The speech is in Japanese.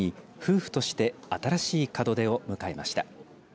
いい夫婦の日に、夫婦として新しい門出を迎えました。